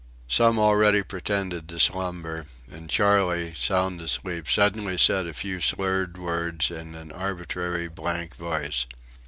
Some already pretended to slumber; and Charley, sound asleep, suddenly said a few slurred words in an arbitrary, blank voice.